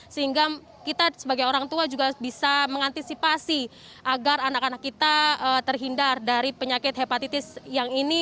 sehingga kita sebagai orang tua juga bisa mengantisipasi agar anak anak kita terhindar dari penyakit hepatitis yang ini